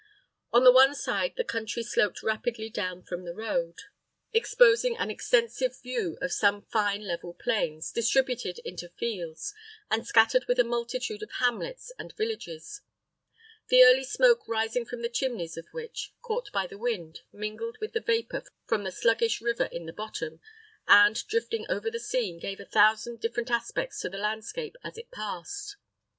On the one side the country sloped rapidly down from the road, exposing an extensive view of some fine level plains, distributed into fields, and scattered with a multitude of hamlets and villages; the early smoke rising from the chimneys of which, caught by the wind, mingled with the vapour from a sluggish river in the bottom, and, drifting over the scene, gave a thousand different aspects to the landscape as it passed.